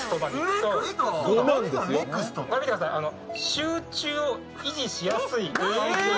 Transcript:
集中を維持しやすい。